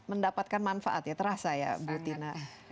mendapatkan manfaat ya terasa ya bu tina